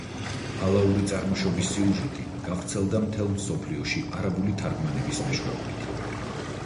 ფალაური წარმოშობის სიუჟეტი გავრცელდა მთელ მსოფლიოში არაბული თარგმანების მეშვეობით.